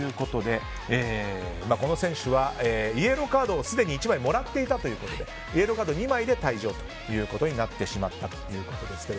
この選手はイエローカードをすでに１枚もらっていたということでイエローカード２枚で退場となってしまったということです。